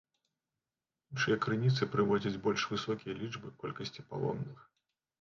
Іншыя крыніцы прыводзяць больш высокія лічбы колькасці палонных.